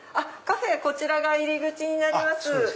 こちらが入り口になります。